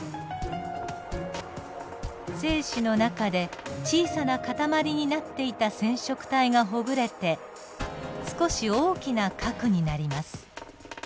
精子の中で小さな塊になっていた染色体がほぐれて少し大きな核になります。